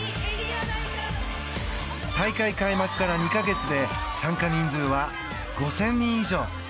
大会開幕から２か月で参加人数は５０００人以上。